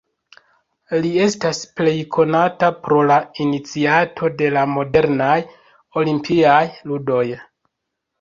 Li estas plej konata pro la iniciato de la modernaj Olimpiaj ludoj.